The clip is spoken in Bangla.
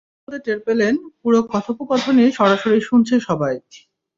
কিন্তু কথা বলতে বলতে টের পেলেন, পুরো কথোপকথনই সরাসরি শুনছে সবাই।